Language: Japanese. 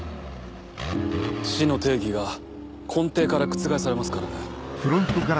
死の定義が根底から覆されますからね。